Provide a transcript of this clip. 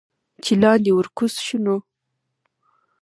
چې لاندې ورکوز شو نو